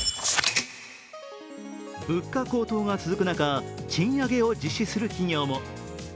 物価高騰が続く中賃上げを実施する企業も。